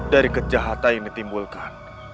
dari kejahatan yang ditimbulkan